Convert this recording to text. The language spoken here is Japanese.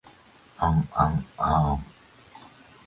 あんあんあ ｎ